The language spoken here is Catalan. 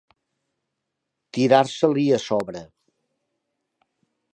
Tirar-se-li a sobre.